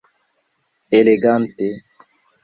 Elegante!